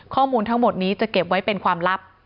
ข้อมูลทั้งหมดนี้จะเก็บไว้เป็นความลับ